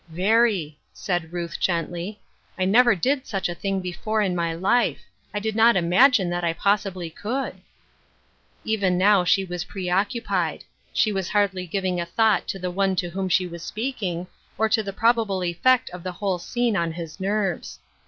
"Very," said Ruth gently ;" I never did such a thing before in my life ; I did not imagine that I possibly could." Even now she was preoccupied. She was hardly giving a thought to the one to whom she was speak ing, or to the probable effect of the entire scene on his nerves.